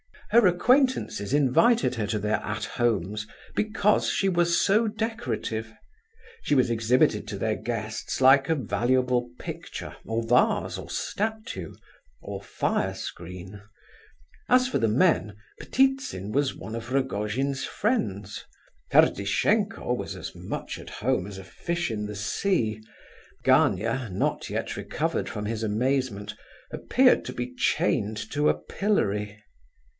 Her acquaintances invited her to their "At Homes" because she was so decorative. She was exhibited to their guests like a valuable picture, or vase, or statue, or firescreen. As for the men, Ptitsin was one of Rogojin's friends; Ferdishenko was as much at home as a fish in the sea, Gania, not yet recovered from his amazement, appeared to be chained to a pillory.